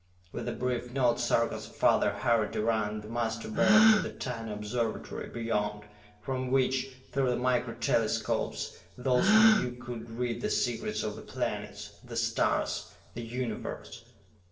With a brief nod Sarka's father hurried around the Master Beryl to the tiny Observatory beyond, from which, through the Micro Telescopes, those who knew could read the secrets of the planets, the stars the Universe.